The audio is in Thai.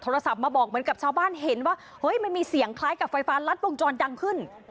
โทรศัพท์มาบอกเหมือนกับชาวบ้านเห็นว่าเฮ้ยมันมีเสียงคล้ายกับไฟฟ้ารัดวงจรดังขึ้น